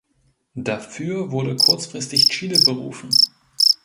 Dafür wurde kurzfristig Chile berufen.